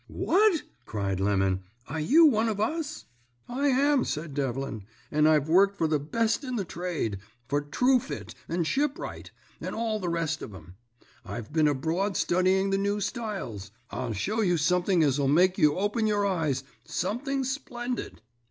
"'What!' cried Lemon, 'are you one of us?' "'I am,' said Devlin, 'and I've worked for the best in the trade for Truefitt and Shipwright, and all the rest of 'em. I've been abroad studying the new styles. I'll show you something as 'll make you open your eyes, something splendid.'